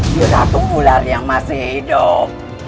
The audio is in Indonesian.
jiratu ular yang masih hidup